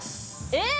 えっ！